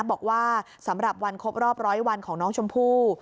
บอกว่าสำหรับวันครบรอบร้อยวันของน้องชมพู่